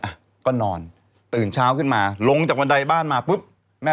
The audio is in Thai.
อันนี้มันที่ใส่ไข่มากเลยนะ